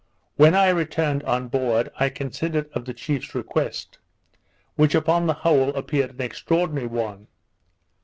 When I returned on board, I considered of the chiefs request, which upon the whole appeared an extraordinary one.